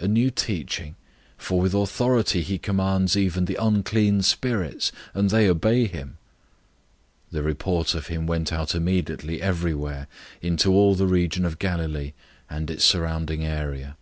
A new teaching? For with authority he commands even the unclean spirits, and they obey him!" 001:028 The report of him went out immediately everywhere into all the region of Galilee and its surrounding area.